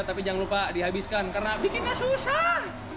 tapi jangan lupa dihabiskan karena bikinnya susah